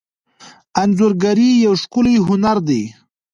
انځورګري یو ښکلی هنر دی.